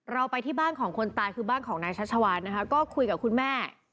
ไปที่บ้านของคนตายคือบ้านของนายชัชวานนะคะก็คุยกับคุณแม่